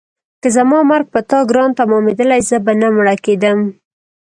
که زما مرګ په تا ګران تمامېدلی زه به نه مړه کېدم.